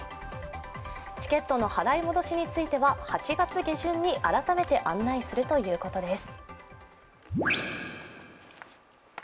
チケットの払い戻しについては８月下旬に改めて案内するということです。